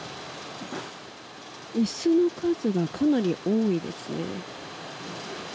椅子の数がかなり多いですね。